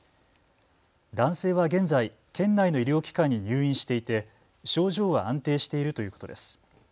男性は現在、県内の医療機関に入院していて症状は安定しているということです。